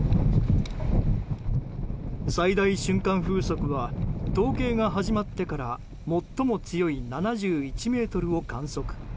最大瞬間風速は統計が始まってから最も強い７１メートルを観測。